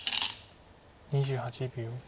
２８秒。